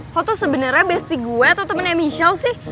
lo tuh sebenernya bestie gue atau temennya michal sih